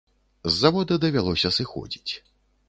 З завода давялося сыходзіць.